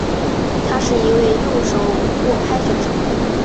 他是一位右手握拍选手。